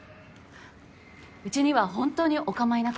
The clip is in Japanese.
うちには本当にお構いなく。